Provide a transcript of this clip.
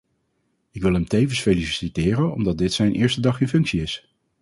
Ik wil hem tevens feliciteren omdat dit zijn eerste dag in functie is.